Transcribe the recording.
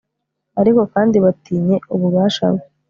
ariko kandi batinye ububasha bwe